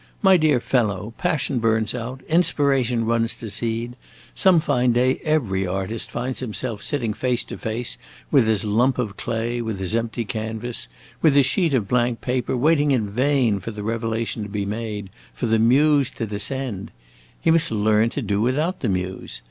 "My dear fellow, passion burns out, inspiration runs to seed. Some fine day every artist finds himself sitting face to face with his lump of clay, with his empty canvas, with his sheet of blank paper, waiting in vain for the revelation to be made, for the Muse to descend. He must learn to do without the Muse!